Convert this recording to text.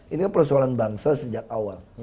ini kan persoalan bangsa sejak awal